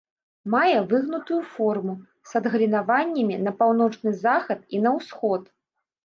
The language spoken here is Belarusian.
Мае выгнутую форму з адгалінаваннямі на паўночны захад і на ўсход.